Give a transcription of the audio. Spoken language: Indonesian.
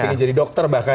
ingin jadi dokter bahkan ya